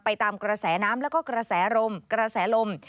ไปตามกระแสน้ำและกระแสลม